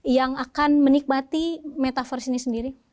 yang akan menikmati metaverse ini sendiri